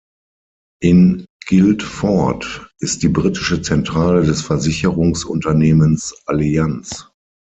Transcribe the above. In Guildford ist die britische Zentrale des Versicherungsunternehmens Allianz.